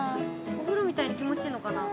お風呂みたいに気持ちいいのかな。